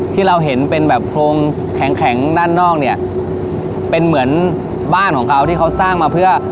ที่เราเห็นเป็นแบบโครงแข็งแข็งด้านนอกเนี่ยเป็นเหมือนบ้านของเขาที่เขาสร้างมาเพื่อ